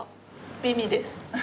美味です。